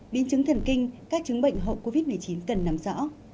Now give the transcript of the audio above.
biến chứng thần kinh các chứng bệnh hậu covid một mươi chín cần nắm rõ